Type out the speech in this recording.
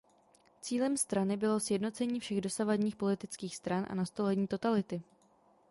Cílem strany bylo sjednocení všech dosavadních politických stran a nastolení totality.